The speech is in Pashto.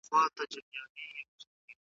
هر دولت او هر قوت لره آفت سته ,